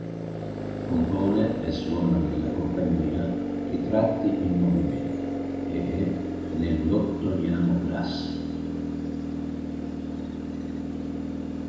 Compone e suona nella compagnia "Ritratti in movimento" e nell'"Ottoniamo Brass".